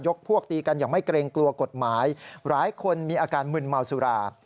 พวกตีกันอย่างไม่เกรงกลัวกฎหมายหลายคนมีอาการมึนเมาสุรา